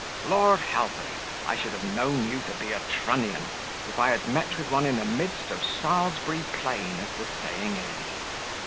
Lord help us, I should have known you to be a Trunnion, if I had met with one in the midst of Salisbury Plain, as the saying is."